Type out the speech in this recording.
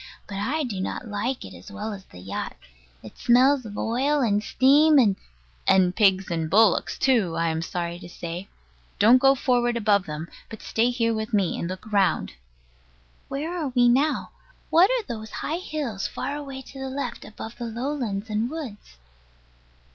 But I do not like it as well as the yacht. It smells of oil and steam, and And pigs and bullocks too, I am sorry to say. Don't go forward above them, but stay here with me, and look round. Where are we now? What are those high hills, far away to the left, above the lowlands and woods?